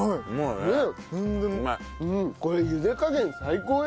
ねっ。